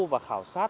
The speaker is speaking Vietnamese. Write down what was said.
và khảo sát